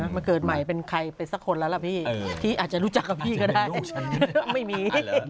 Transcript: มาเกิดใหม่เป็นใครเป็นสักคนล่ะที่อาจจะรู้จักกับพี่ก็ได้